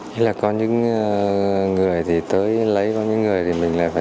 thế là có những người thì tới lấy có những người thì mình lại phải